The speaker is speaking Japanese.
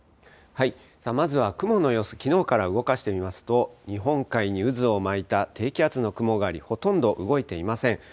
まずは雲の様子、きのうから動かしてみますと日本海に渦を巻いた低気圧の雲があり、ほとんど動いていません。